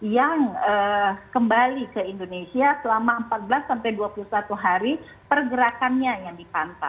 yang kembali ke indonesia selama empat belas sampai dua puluh satu hari pergerakannya yang dipantau